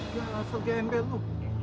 dia langsung gembel lu